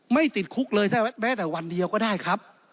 ติดคุกเลยแม้แต่วันเดียวก็ได้ครับ